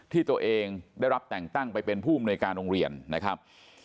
ที่ตัวเองได้รับแต่งตั้งไปเป็นผู้อำนวยการโรงเรียนนะครับ